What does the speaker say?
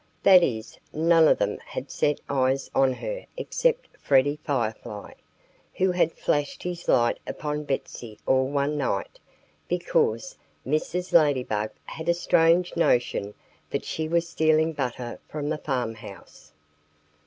That is, none of them had set eyes on her except Freddie Firefly, who had flashed his light upon Betsy all one night, because Mrs. Ladybug had a strange notion that she was stealing butter from the farmhouse.